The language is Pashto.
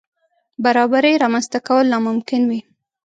برابرۍ رامنځ ته کول ناممکن وي.